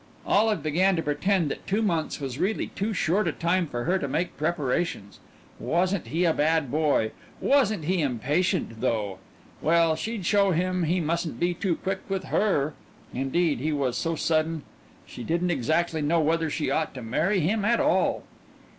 Olive began to pretend that two months was really too short a time for her to make preparations. Wasn't he a bad boy! Wasn't he impatient, though! Well, she'd show him he mustn't be too quick with her. Indeed he was so sudden she didn't exactly know whether she ought to marry him at all.